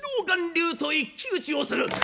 巌流と一騎打ちをする。